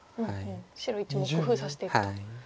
白１目封鎖していくと。